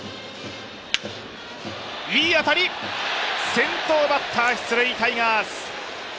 先頭バッター出塁、タイガース。